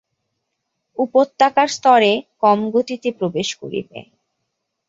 উপত্যকার স্তরে কম গতিতে প্রবেশ করবে।